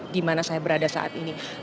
di mana saya berada saat ini